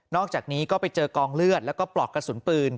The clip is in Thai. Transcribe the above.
อกจากนี้ก็ไปเจอกองเลือดแล้วก็ปลอกกระสุนปืน